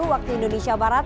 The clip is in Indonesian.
waktu indonesia barat